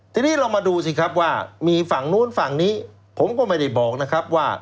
ทีนี้เรามาดูสิครับว่ามีฝั่งนู้นฝั่งนี้ผมก็ไม่ได้บอกนะครับว่า